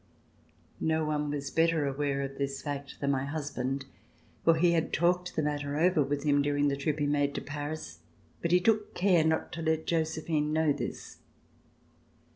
No one was better aware of this fact than my husband, for he had talked the matter over with him during the trip he made to Paris, but he took care not to let Josephine know this.